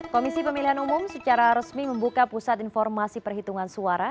komisi pemilihan umum secara resmi membuka pusat informasi perhitungan suara